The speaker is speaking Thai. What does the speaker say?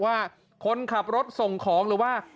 ว่าคนขับรถส่งของหรือว่า